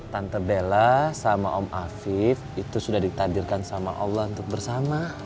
tante bela sama om afif itu sudah ditakdirkan sama allah untuk bersama